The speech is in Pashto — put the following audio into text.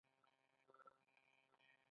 آیا دا اقتصاد ته لوی زیان نه رسوي؟